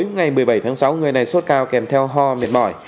ngày một mươi tám tháng sáu người này suốt cao kèm theo ho mệt mỏi